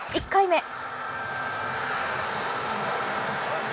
１回目。